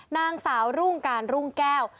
นางสาวรุ่งการรุ่งแก้ว